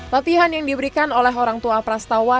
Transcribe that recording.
latihan yang diberikan oleh orang tua pras tawa